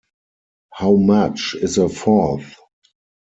How much is a fourth?